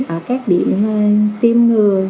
ở các điểm tiêm ngừa